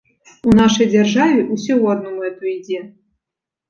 У нашай дзяржаве ўсё ў адну мэту ідзе.